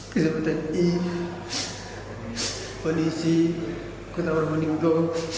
kesempatan i polisi kota probolinggo